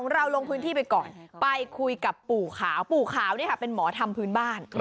เราลงพื้นที่ไปก่อนไปคุยกับปู่ขาวปู่ขาวเป็นหมอทำพื้นบ้าน